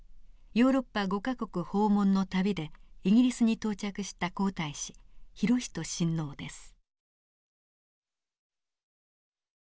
ヨーロッパ５か国訪問の旅でイギリスに到着した皇太子裕仁親王です。